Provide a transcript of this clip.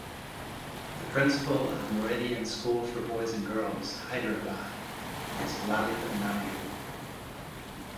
The Principal of Meridian School for Boys and Girls, Hyderabad is Lalitha Naidu.